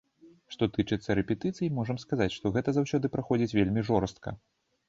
Што тычыцца рэпетыцый, можам сказаць, што гэта заўсёды праходзіць вельмі жорстка.